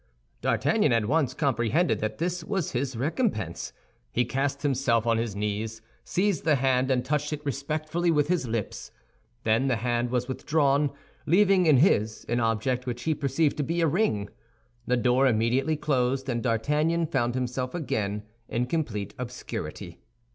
D'Artagnan at once comprehended that this was his recompense. He cast himself on his knees, seized the hand, and touched it respectfully with his lips. Then the hand was withdrawn, leaving in his an object which he perceived to be a ring. The door immediately closed, and D'Artagnan found himself again in complete obscurity.